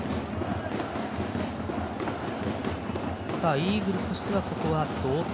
イーグルスとしては、ここは同点。